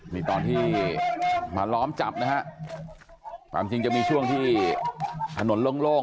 นี่ตอนที่มาล้อมจับนะฮะความจริงจะมีช่วงที่ถนนโล่ง